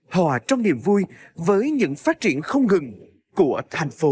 hòa trong niềm vui với những phát triển không ngừng của thành phố